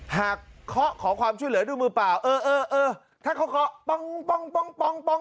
หากขอขอความชุดเหลือด้วยมือเปล่าถ้าเขาก็ปร้องเนี่ย